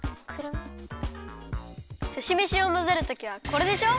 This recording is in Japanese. すしめしをまぜるときはこれでしょ？